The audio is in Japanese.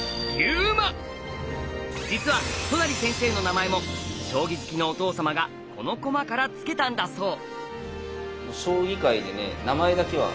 実は都成先生の名前も将棋好きのお父様がこの駒から付けたんだそう。